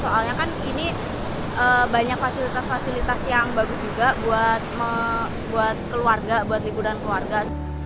soalnya kan ini banyak fasilitas fasilitas yang bagus juga buat keluarga buat liburan keluarga